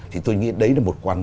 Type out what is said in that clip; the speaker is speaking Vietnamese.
thì tôi nghĩ đấy là một quan